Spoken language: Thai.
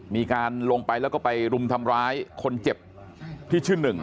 มีการลงไปแล้วก็ไปรุมทำร้ายคนเจ็บที่ชื่อหนึ่ง